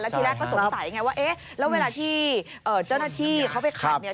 ทีแรกก็สงสัยไงว่าเอ๊ะแล้วเวลาที่เจ้าหน้าที่เขาไปขัดเนี่ย